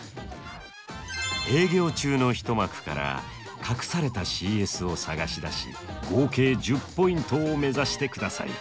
営業中の一幕から隠されたＣＳを探し出し合計１０ポイントを目指してください。